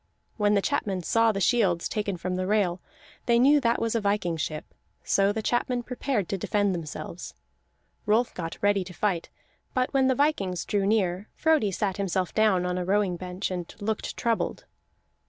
When the chapmen saw the shields taken from the rail, they knew that was a viking ship. So the chapmen prepared to defend themselves. Rolf got ready to fight; but when the vikings drew near, Frodi sat himself down on a rowing bench, and looked troubled.